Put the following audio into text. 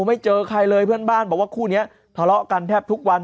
ไม่เจอใครเลยเพื่อนบ้านบอกว่าคู่นี้ทะเลาะกันแทบทุกวัน